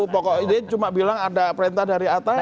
pokoknya cuma bilang ada perintah dari atasan